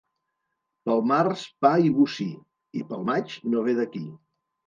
Pel març, pa i bocí, i pel maig, no ve d'aquí.